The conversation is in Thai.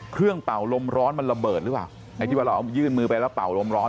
เป่าลมร้อนมันระเบิดหรือเปล่าไอ้ที่ว่าเราเอายื่นมือไปแล้วเป่าลมร้อน